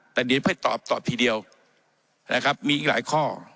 แต่เดี๋ยวให้ตอบตอบทีเดียวมีอีกหลายข้อ